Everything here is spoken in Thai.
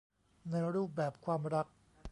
ในรูปแบบความรัก